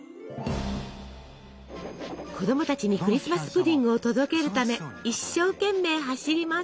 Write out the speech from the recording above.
子供たちにクリスマス・プディングを届けるため一生懸命走ります。